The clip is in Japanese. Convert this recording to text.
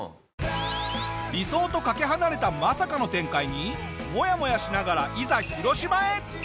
理想とかけ離れたまさかの展開にモヤモヤしながらいざ広島へ！